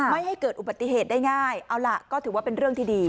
ไม่ให้เกิดอุบัติเหตุได้ง่ายเอาล่ะก็ถือว่าเป็นเรื่องที่ดี